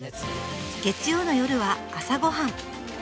月曜の夜は朝ごはん！